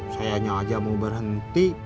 saya hanya aja mau berhenti